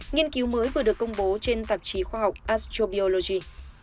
nghiên cứu mới vừa được công bố trên tạp chí khoa học astrabiology